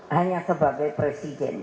hanya sebagai presiden